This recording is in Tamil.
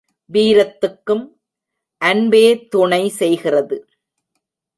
வீரத்துக்கும் அன்பே துணை செய்கிறது.